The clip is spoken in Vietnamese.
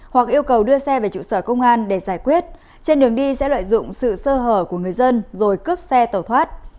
hoặc yêu cầu đưa xe về trụ sở công an để giải quyết trên đường đi sẽ lợi dụng sự sơ hở của người dân rồi cướp xe tẩu thoát